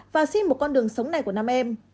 và xin một con đường sống này của nam em